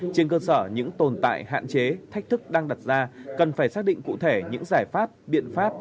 trên cơ sở những tồn tại hạn chế thách thức đang đặt ra cần phải xác định cụ thể những giải pháp biện pháp